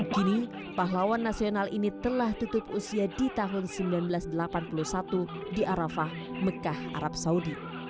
kini pahlawan nasional ini telah tutup usia di tahun seribu sembilan ratus delapan puluh satu di arafah mekah arab saudi